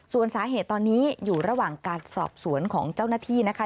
ส่วนสาเหตุตอนนี้อยู่ระหว่างการสอบสวนของเจ้าหน้าที่นะคะ